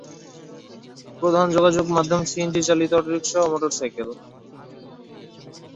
প্রধান যোগাযোগ মাধ্যম সিএনজি চালিত অটোরিক্সা এবং মোটর সাইকেল।